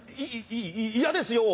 い嫌ですよ。